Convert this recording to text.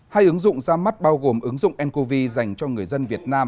hai ứng dụng ra mắt bao gồm ứng dụng ncov dành cho người dân việt nam